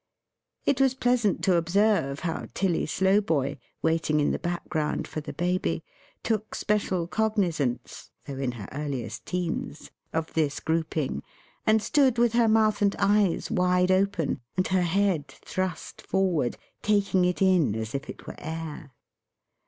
It was pleasant to observe how Tilly Slowboy, waiting in the background for the Baby, took special cognizance (though in her earliest teens) of this grouping; and stood with her mouth and eyes wide open, and her head thrust forward, taking it in as if it were air.